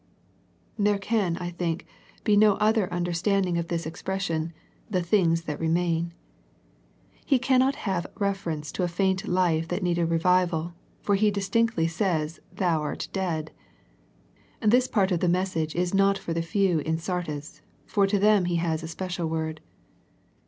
There can, I think, be no other understand ing of this expression, "the things that re main." He cannot have reference to a faint life that needed revival, for He distinctly says " thou art dead." This part of the message is not for the few in Sardis, for to them He has a special word.